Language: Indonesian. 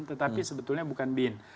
tetapi sebetulnya bukan bin